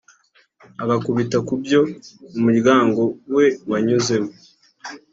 agakubita ku byo ubmuryango we wanyuzemo